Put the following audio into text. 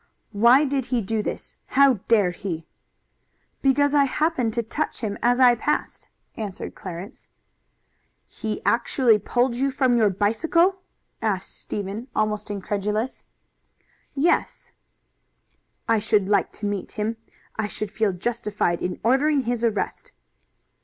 "Why did he do this? How dared he?" "Because I happened to touch him as I passed," answered Clarence. "He actually pulled you from your bicycle?" asked Stephen Ray, almost incredulous. "Yes." "I should like to meet him. I should feel justified in ordering his arrest."